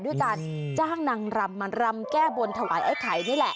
ด้วยการจ้างนางรำมารำแก้บนถวายไอ้ไข่นี่แหละ